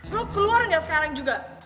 lo keluar nggak sekarang juga